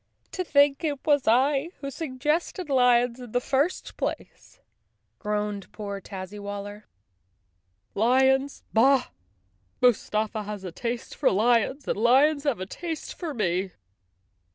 "To think it was I who suggested lions in the first place," groaned poor Tazzywaller. "Lions! Bah! Mus¬ tafa has a taste for lions and lions have a taste for me!"